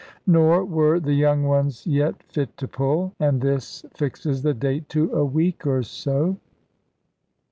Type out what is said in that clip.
Nor were the young ones yet fit to pull; and this fixes the date to a week or so.